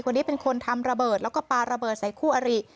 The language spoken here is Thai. คนนี้เป็นคนทำระเบิดแล้วก็ปลาระเบิดใส่คู่อริ